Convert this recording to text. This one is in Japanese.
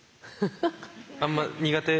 あんま苦手？